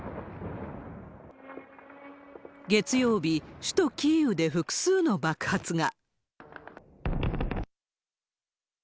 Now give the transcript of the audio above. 月曜日、首都キーウで複数の爆発が。